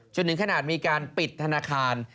จนถึงขนาดมีการปิดธนาคาร